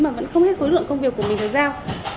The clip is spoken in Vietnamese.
mà vẫn không hết khối lượng công việc của mình thời gian